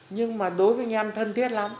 nhưng mà đối với anh em thân thiết lắm